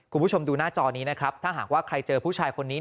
คุณผู้ชมดูหน้าจอนี้นะครับถ้าหากว่าใครเจอผู้ชายคนนี้